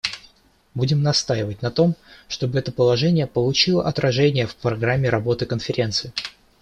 Будем настаивать на том, чтобы это положение получило отражение в программе работы Конференции.